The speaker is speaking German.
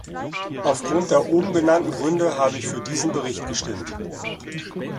Aufgrund der oben genannten Gründe habe ich für diesen Bericht gestimmt.